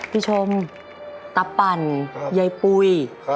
พี่ชมตะปั่นยายปุ้ย